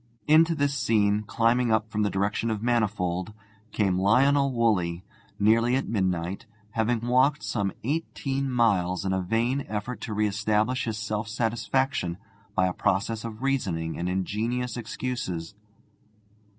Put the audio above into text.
Into this scene, climbing up from the direction of Manifold, came Lionel Woolley, nearly at midnight, having walked some eighteen miles in a vain effort to re establish his self satisfaction by a process of reasoning and ingenious excuses.